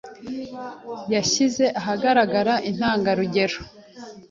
yashyize ahagaragara intangarugero